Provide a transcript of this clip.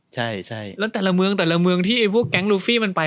ใช่แล้วแต่ละเมืองแต่ละเมืองที่พวกแก๊งลูฟี่มันไป